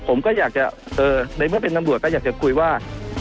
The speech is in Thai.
ผมก็อยากจะในเมื่อเป็นตำรวจก็อยากจะคุยว่า